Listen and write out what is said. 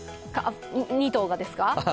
２頭がですか？